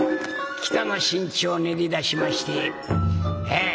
北の新地を練りだしましてえ